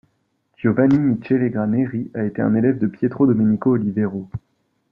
Giovanni Michele Graneri a été un élève de Pietro Domenico Olivero.